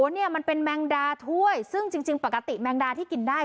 เนี่ยมันเป็นแมงดาถ้วยซึ่งจริงปกติแมงดาที่กินได้